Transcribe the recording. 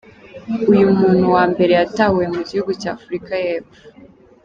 Uyu muntu wa mbere yatahuwe mu gihugu cya Afurika y’Epfo.